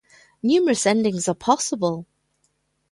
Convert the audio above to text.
Numerous endings are possible.